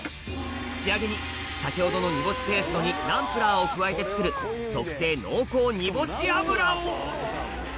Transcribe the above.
仕上げに先ほどの煮干しペーストにナンプラーを加えて作る特製濃厚煮干し油を！